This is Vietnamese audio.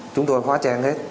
chúng tôi hóa trang hết